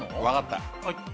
わかった。